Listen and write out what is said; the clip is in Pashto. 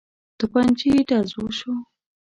توپنچې ډز وشو.